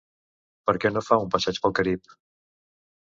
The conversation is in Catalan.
Per què no fa un passeig pel Carib?